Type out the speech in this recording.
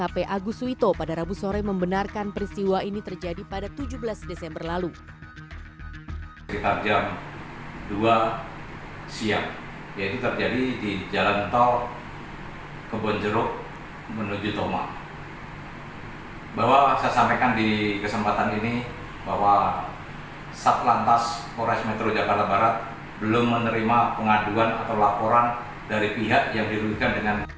belum menerima pengaduan atau laporan dari pihak yang dirudikan dengan